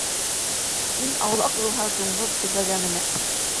Ил аулаҡ булһа, дуңғыҙ түбәгә менә.